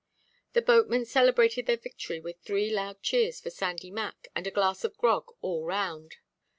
The boatmen celebrated their victory with three loud cheers for Sandy Mac, and a glass of grog all round.